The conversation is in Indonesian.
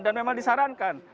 dan memang disarankan